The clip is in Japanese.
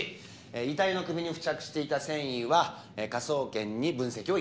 遺体の首に付着していた繊維は科捜研に分析を依頼中です。